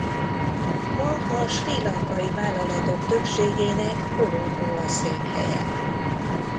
Ma a Srí Lanka-i vállalatok többségének Colombo a székhelye.